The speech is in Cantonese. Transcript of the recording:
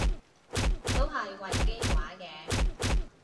都係維基話嘅